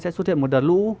sẽ xuất hiện một đợt lũ